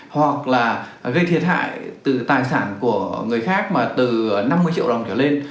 hoặc là gây thiệt hại từ tài sản của người khác mà từ năm mươi triệu đồng trở lên